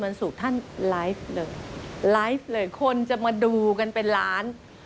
ไลฟ์เลยคนจะมาดูกันเป็นล้าน